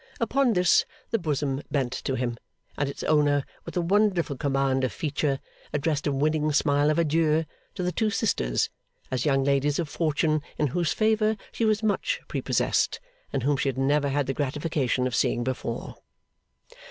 Upon this the bosom bent to him; and its owner, with a wonderful command of feature, addressed a winning smile of adieu to the two sisters, as young ladies of fortune in whose favour she was much prepossessed, and whom she had never had the gratification of seeing before.